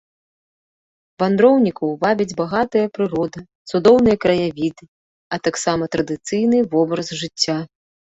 Вандроўнікаў вабяць багатая прырода, цудоўныя краявіды, а таксама традыцыйны вобраз жыцця.